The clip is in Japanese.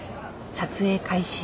撮影開始。